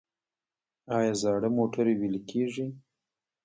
آیا زاړه موټرې ویلې کیږي؟